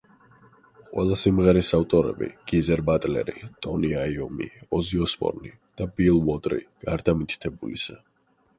ყველა სიმღერის ავტორები: გიზერ ბატლერი, ტონი აიომი, ოზი ოსბორნი და ბილ უორდი, გარდა მითითებულისა.